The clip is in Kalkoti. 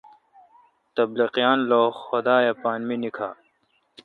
تبلیغیان لو خدا اے پان مے°نیکا۔